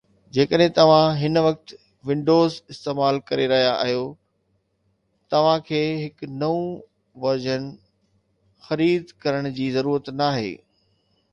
جيڪڏهن توهان هن وقت ونڊوز استعمال ڪري رهيا آهيو، توهان کي هي نئون ورزن خريد ڪرڻ جي ضرورت ناهي